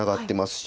し